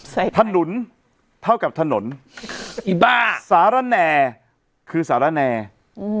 ถนนเท่ากับถนนอีบ้าสารแนคือสารแนอืม